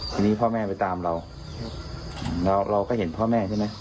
ทีนี้พ่อแม่ไปตามเราแล้วเราก็เห็นพ่อแม่ใช่ไหม